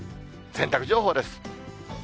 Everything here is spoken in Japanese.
洗濯情報です。